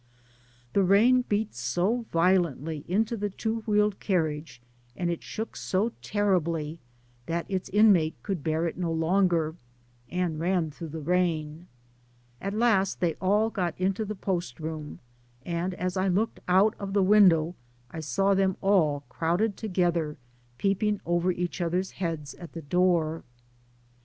The rain beat so violently into the two wheeled carriage, and it shook so terribly, that its inmate could bear it no longer, and ran through the rain. Digitized byGoogk THE PAMPAS. At last they all got into the post room, and as I looked out of the window, I saw them all crowded together peeping over each other's heads at the door.